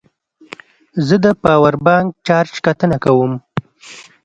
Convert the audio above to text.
زه د پاور بانک چارج کتنه کوم.